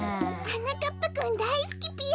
はなかっぱくんだいすきぴよ。